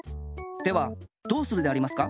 ではどうするでありますか？